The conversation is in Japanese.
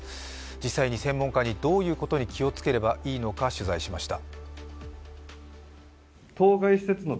実際に専門家にどういうことに気をつければいいのか取材しました。